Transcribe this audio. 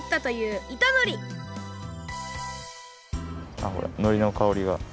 あっほらのりの香りが。